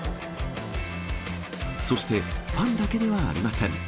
そして、ファンだけではありません。